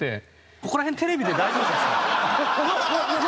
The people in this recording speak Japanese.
ここら辺テレビで大丈夫ですか？